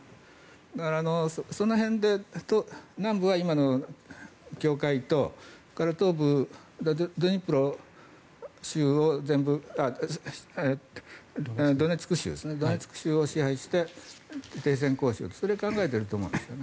だからその辺で南部は今の境界とそれから東部ドネツク州を支配して停戦交渉、それを考えていると思うんですね。